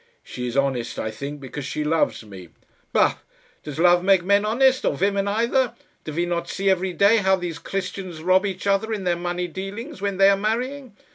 "She is honest, I think, because she loves me." "Bah! Does love make men honest, or women either? Do we not see every day how these Christians rob each other in their money dealings when they are marrying?